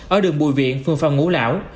ở đường bùi viện phương phòng ngũ lão